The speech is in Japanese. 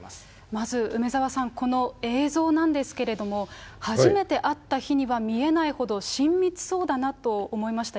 まず梅沢さん、この映像なんですけれども、初めて会った日には見えないほど、親密そうだなと思いました。